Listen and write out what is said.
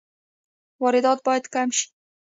واردات باید کم شي